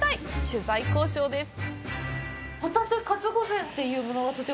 取材交渉です。